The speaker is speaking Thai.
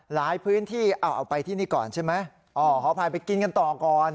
พื้นที่เอาไปที่นี่ก่อนใช่ไหมอ๋อขออภัยไปกินกันต่อก่อน